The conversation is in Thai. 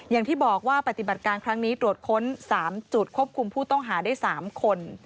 อย่างที่บอกว่าปฏิบัติการครั้งนี้ตรวจค้น๓จุดควบคุมผู้ต้องหาได้๓คน